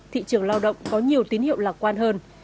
thị trường lao động có nhiều tín hiệu lạc quan hơn